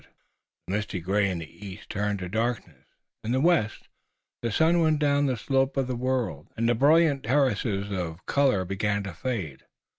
The misty gray in the east turned to darkness, in the west the sun went down the slope of the world, and the brilliant terraces of color began to fade.